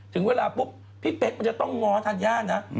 ถึงเวลาปุ๊บพี่เป๊กมันจะต้องง้อธัญญานะ